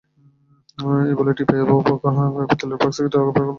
এই বলে টিপাইয়ের উপরকার পিতলের বাক্স থেকে টাকা বের করে দিলে।